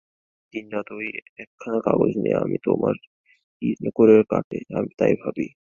দিনরাত ঐ একখানা কাগজ নিয়ে যে তোমার কী করে কাটে, আমি তাই ভাবি।